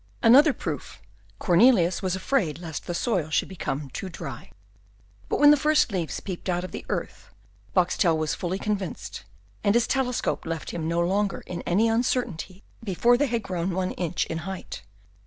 Another proof: Cornelius was afraid lest the soil should become too dry. But when the first leaves peeped out of the earth Boxtel was fully convinced; and his telescope left him no longer in any uncertainty before they had grown one inch in height.